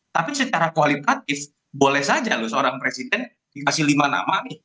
tapi secara kualitatif boleh saja loh seorang presiden dikasih lima nama nih